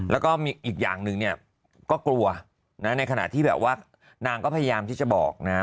แล้วก็มีอีกอย่างหนึ่งเนี่ยก็กลัวนะในขณะที่แบบว่านางก็พยายามที่จะบอกนะ